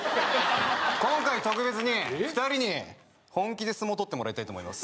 今回特別に２人に本気で相撲とってもらいたいと思います